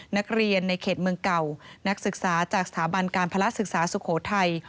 นักเรียนในเขตเมืองเก่านักศึกษาจากสถาบันการพละศึกษาสุโขทัย